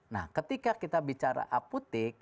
nah ketika kita bicara apotek